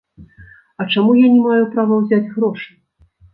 А чаму я не маю права ўзяць грошы?